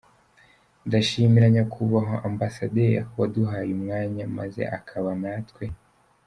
Ndashimira Nyakubahwa Ambassador waduhaye umwanya maze akabana natwe.